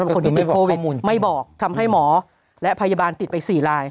คนที่ติดโควิดไม่บอกทำให้หมอและพยาบาลติดไป๔ลาย